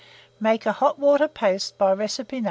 Make a hot water paste by recipe No.